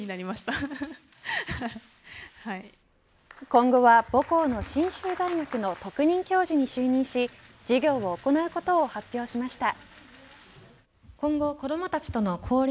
今後は母校の信州大学の特任教授に就任し授業を行うことを発表しました。